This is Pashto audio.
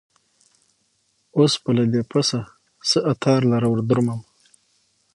اوس به له دې پسه څه عطار لره وردرومم